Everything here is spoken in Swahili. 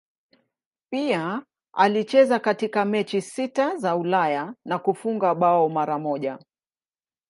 Pia alicheza katika mechi sita za Ulaya na kufunga bao mara moja.